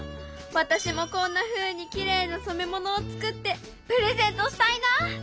私もこんなふうにきれいな染め物を作ってプレゼントしたいな！